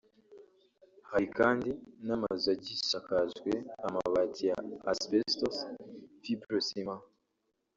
Hari kandi n’amazu agishakajwe amabati ya asbestos (fibro-ciment)